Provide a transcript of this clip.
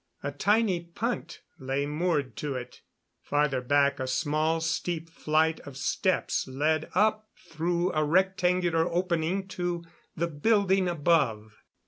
A tiny punt lay moored to it. Farther back a small, steep flight of steps led up through a rectangular opening to the building above.